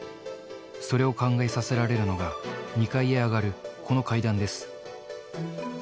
それを考えさせられるのが、２階へ上がるこの階段です。